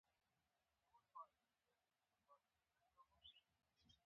ای ماما منګلی يې بوته منګلی.